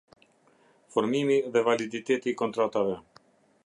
Formimi dhe validiteti i kontratave.